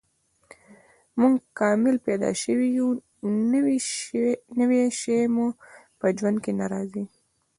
موږ کامل پیدا شوي یو، نوی شی مو په ژوند کې نه راځي.